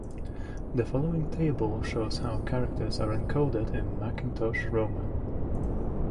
The following table shows how characters are encoded in Macintosh Roman.